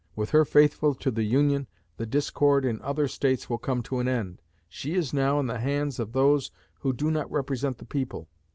With her faithful to the Union, the discord in the other States will come to an end. She is now in the hands of those who do not represent the people.